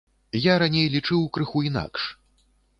Я раней лічыў крыху інакш.